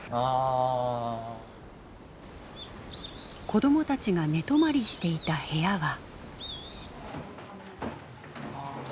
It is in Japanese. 子どもたちが寝泊まりしていた部屋は。